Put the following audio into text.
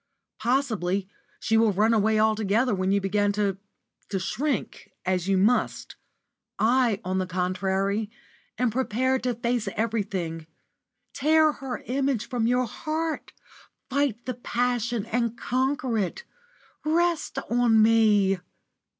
Possibly she will run away altogether when you begin to to shrink, as you must. I, on the contrary, am prepared to face everything. Tear her image from your heart! Fight the passion and conquer it. Rest on me!"